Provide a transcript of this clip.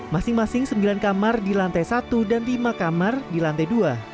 masing masing sembilan kamar di lantai satu dan lima kamar di lantai dua